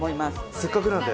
せっかくなので。